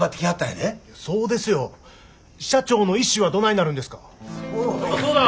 そうですよ。社長の遺志はどないなるんですか。